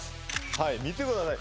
はい見てください